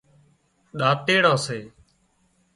ۮاتيڙان سي